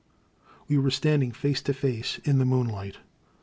'* We were standing face to face in the moonlight.